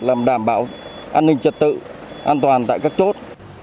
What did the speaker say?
làm đảm bảo an ninh trật tự an toàn tại các chốt